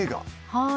はい。